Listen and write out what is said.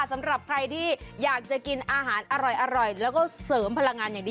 สำหรับใครที่อยากจะกินอาหารอร่อยแล้วก็เสริมพลังงานอย่างดี